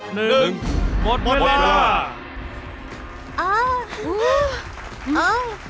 หมดเวลา